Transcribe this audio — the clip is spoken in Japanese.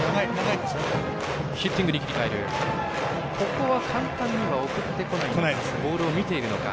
ここは簡単には送ってこない。